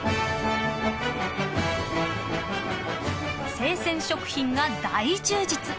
［生鮮食品が大充実］